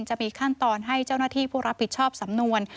จะมีขั้นตอนให้เจ้าหน้าที่ผู้รับผิดชอบสำนวน